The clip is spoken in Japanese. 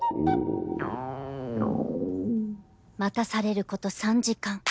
待たされること３時間